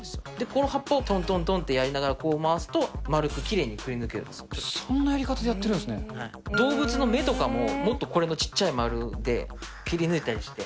この葉っぱをとんとんとんってやりながらこう回すと、丸くきれいそんなやり方でやってるんで動物の目とかも、もっとこれもちっちゃい丸で切り抜いたりして。